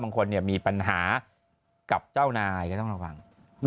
บางคนเนี่ยมีปัญหากับเจ้านายก็ต้องระวัง